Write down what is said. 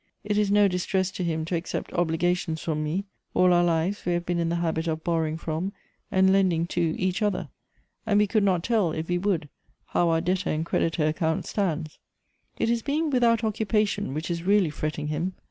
It is no distress to him to accept obligations from me; all our lives we have been in the habit of bor rowing from and lending to each other; and we could not tell, if wc would, how our debtor and creditor ac count stands. It is being without occupation which is really fretting him.